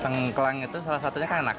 tengkleng itu salah satunya kan enak